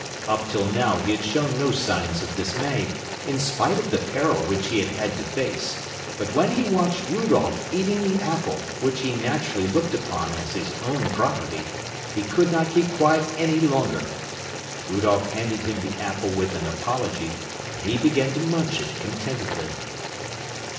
Up till now he had shown no signs of dismay, in spite of the peril which he had had to face; but when he watched Rudolph eating the apple, which he naturally looked upon as his own property, he could not keep quiet any longer. Rudolph handed him the apple with an apology, and he began to munch it contentedly.